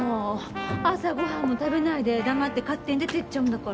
朝ごはんも食べないで黙って勝手に出てっちゃうんだから。